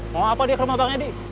mau apa dia ke rumah bang edi